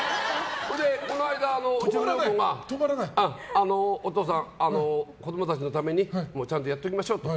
この間、家内がお父さん子供たちのためにちゃんとやっておきましょうと。